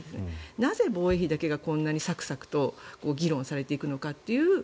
なぜ、防衛費だけがこんなにサクサクと議論されていくのかと。